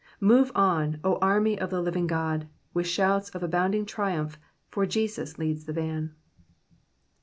Move on, O army of the living God, with shouts of abounding triumph, for Jesus leads the van.